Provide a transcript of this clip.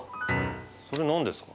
それなんですか？